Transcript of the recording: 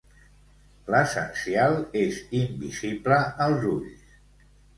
L'essencial és invisible als ulls.